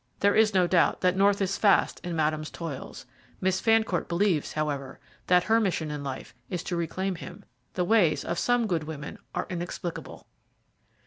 "There is no doubt that North is fast in Madame's toils. Miss Fancourt believes, however, that her mission in life is to reclaim him. The ways of some good women are inexplicable."